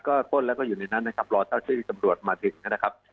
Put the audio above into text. ก็ป้นแล้วก็อยู่ในนั้นนะครับรอเจ้าที่ตำรวจมาถึงนะครับ